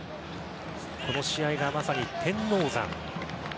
この試合がまさに天王山。